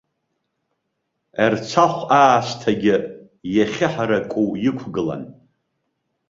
Ерцахә аасҭагьы иахьыҳараку иқәгылан.